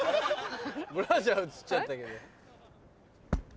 ブラジャー映っちゃったけど。